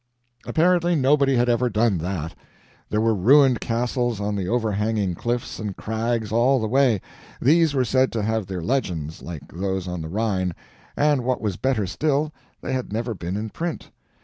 Apparently nobody had ever done that. There were ruined castles on the overhanging cliffs and crags all the way; these were said to have their legends, like those on the Rhine, and what was better still, they had never been in print.